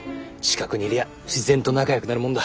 近くにいりゃ自然と仲よくなるもんだ。